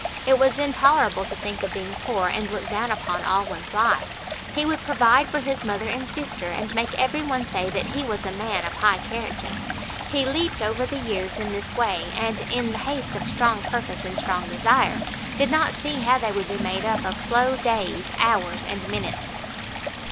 It was intolerable to think of being poor and looked down upon all one's life. He would provide for his mother and sister, and make every one say that he was a man of high character. He leaped over the years in this way, and, in the haste of strong purpose and strong desire, did not see how they would be made up of slow days, hours, and minutes.